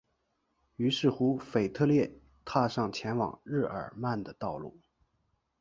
于是乎腓特烈踏上前往日尔曼的道路。